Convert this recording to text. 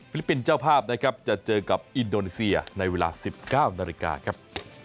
ปินส์เจ้าภาพนะครับจะเจอกับอินโดนีเซียในเวลา๑๙นาฬิกาครับ